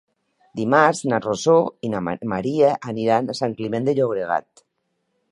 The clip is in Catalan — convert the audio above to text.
Dimarts na Rosó i na Maria aniran a Sant Climent de Llobregat.